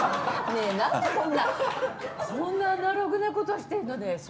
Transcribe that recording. ねえ、なんでこんなアナログなことしてるの？